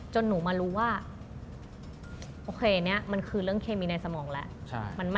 หนูมารู้ว่าโอเคอันนี้มันคือเรื่องเคมีในสมองแล้ว